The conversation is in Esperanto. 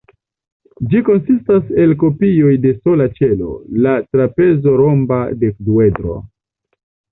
Ĝi konsistas el kopioj de sola ĉelo, la trapezo-romba dekduedro.